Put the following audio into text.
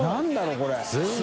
これ。